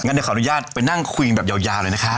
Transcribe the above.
เดี๋ยวขออนุญาตไปนั่งคุยแบบยาวเลยนะคะ